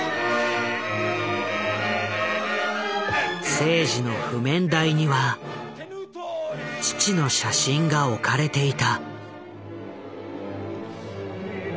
征爾の譜面台には父の写真が置かれていた。